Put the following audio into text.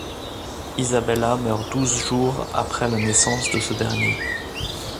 Isabella meurt douze jours après la naissance de ce dernier.